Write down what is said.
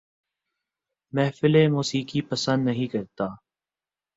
محافل موسیقی پسند نہیں کرتا